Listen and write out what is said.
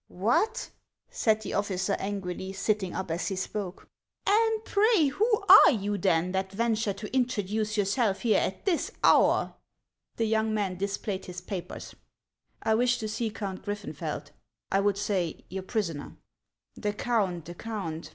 " What !" said the officer angrily, sitting up as he spoke ; HANS OF ICELAND. 43 "and pray who are you, then, that venture to introduce yourself here at this hour ?" The youug man displayed his papers. "I wish to see Count Grittenfeld, — I would say, your prisoner." " The Count ! the Count